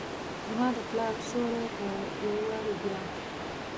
زما دپلا ر سیوري به یووارې بیا،